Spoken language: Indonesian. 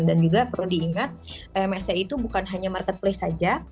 dan juga perlu diingat msci itu bukan hanya marketplace saja